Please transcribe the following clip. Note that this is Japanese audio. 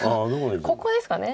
ここですかね。